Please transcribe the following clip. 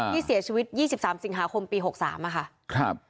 ที่เสียชีวิต๒๓สิงหาคมปี๖๓ค่ะ